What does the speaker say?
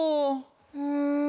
うん。